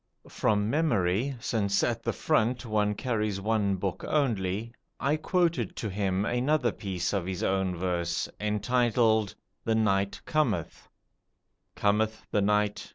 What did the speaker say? From memory since at the front one carries one book only I quoted to him another piece of his own verse, entitled "The Night Cometh": "Cometh the night.